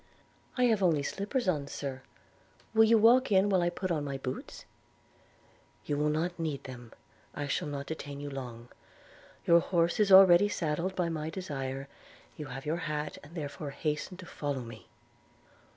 'I have only slippers on, Sir; will you walk in while I put on my boots?' 'You will not need them – I shall not detain you long. Your horse is already saddled by my desire – You have your hat, and therefore hasten to follow me.'